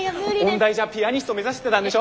音大じゃピアニスト目指してたんでしょ。